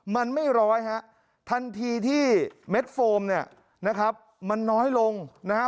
มันไม่ร้อยฮะทันทีที่เม็ดโฟมมันน้อยลงนะฮะ